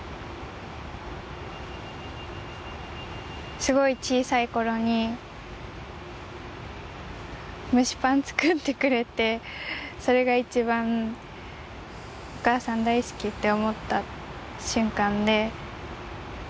すごく小さいころに蒸しパン作ってくれてそれが一番お母さん大好きって思った瞬間で。